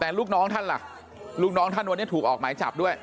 แต่ลูกน้องท่านล่ะลูกน้องท่านวันนี้ถูกออกหมายจับด้วย